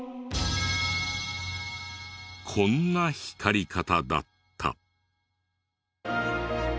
こんな光り方だった。